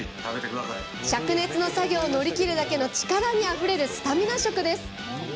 しゃく熱の作業を乗り切るだけの力にあふれるスタミナ食です。